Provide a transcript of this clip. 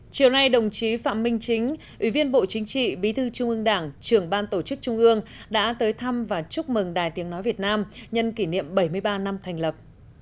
chiều nay đồng chí phạm minh chính ủy viên bộ chính trị bí thư trung ương đảng trưởng ban tổ chức trung ương đã tới thăm và chúc mừng đài tiếng nói việt nam nhân kỷ niệm bảy mươi ba năm thành lập